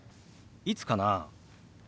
いつかな？